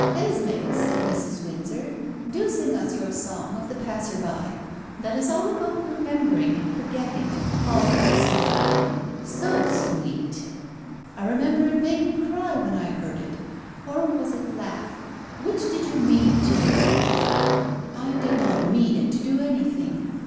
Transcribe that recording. "Esmé," said Mrs. Windsor, "do sing us your song of the passer by. That is all about remembering and forgetting, and all that sort of thing. So sweet. I remember it made me cry when I heard it or was it laugh? Which did you mean it to do?" "I did not mean it to do anything.